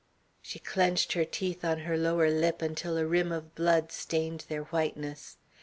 She clenched her teeth on her lower lip until a rim of blood stained their whiteness.